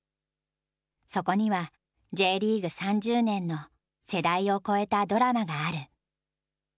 そこにはＪリーグ３０年の世代を超えたドラマがある。